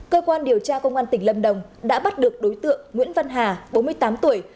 cơ quan điều tra công an tỉnh lâm đồng đã bắt được đối tượng nguyễn văn hà bốn mươi tám tuổi